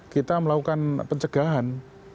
kita melakukan pencegahan